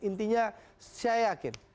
intinya saya yakin